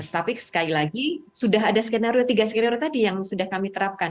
tapi sekali lagi sudah ada skenario tiga skenario tadi yang sudah kami terapkan